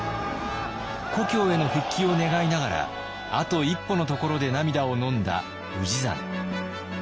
故郷への復帰を願いながらあと一歩のところで涙をのんだ氏真。